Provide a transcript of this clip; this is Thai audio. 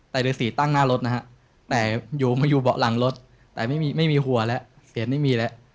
แต่ฤษีตั้งหน้ารถนะฮะแต่อยู่มาอยู่เบาะหลังรถแต่ไม่มีหัวแล้วเสียงไม่มีแล้ว